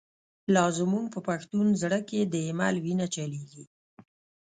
لا زمونږ په پښتون زړه کی، « د ایمل» وینه چلیږی